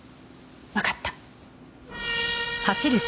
わかった。